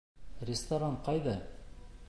Ресторан ҡайҙа?